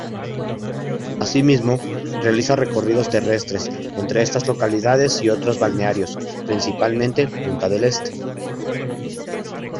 Asimismo, realiza recorridos terrestres entre estas localidades y otros balnearios, principalmente Punta del Este.